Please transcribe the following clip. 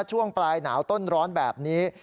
ช่วงปลายหนาวต้นร้อนแบบนี้